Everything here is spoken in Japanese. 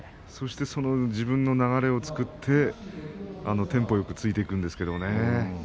自分の流れを作ってテンポよく突いていくんですけどね。